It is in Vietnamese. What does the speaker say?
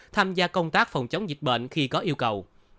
tham gia công tác phòng chống dịch bệnh khi có yêu cầu